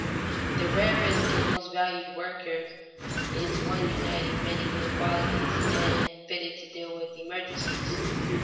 The rarest and most valued worker is one uniting many good qualities and fitted to deal with emergencies.